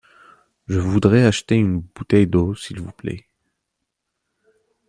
Je voudrais acheter une bouteille d’eau s’il vous plait.